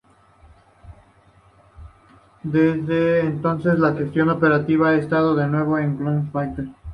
Desde entonces, la gestión operativa ha estado de nuevo con Klaus Fischer.